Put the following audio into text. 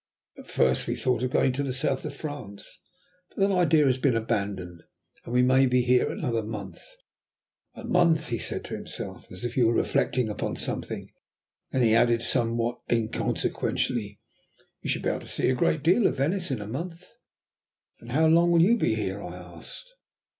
At first we thought of going to the South of France, but that idea has been abandoned, and we may be here another month." "A month," he said to himself, as if he were reflecting upon something; then he added somewhat inconsequently, "You should be able to see a great deal of Venice in a month." "And how long will you be here?" I asked.